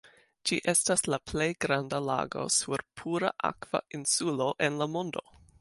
Ĝi estas la plej granda lago sur pura akva insulo en la mondo.